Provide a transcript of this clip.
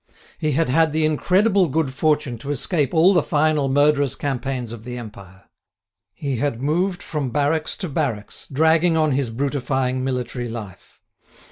He had had the incredible good fortune to escape all the final murderous campaigns of the Empire. He had moved from barracks to barracks, dragging on his brutifying military life.